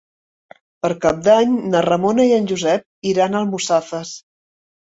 Per Cap d'Any na Ramona i en Josep iran a Almussafes.